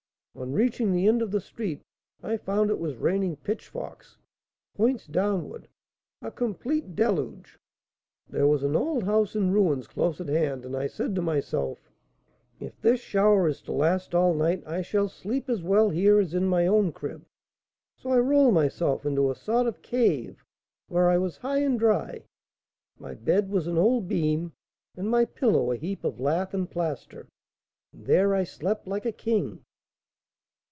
On reaching the end of the street I found it was raining pitchforks, points downward, a complete deluge. There was an old house in ruins close at hand, and I said to myself, 'If this shower is to last all night, I shall sleep as well here as in my own "crib."' So I rolled myself into a sort of cave, where I was high and dry; my bed was an old beam, and my pillow a heap of lath and plaster, and there I slept like a king."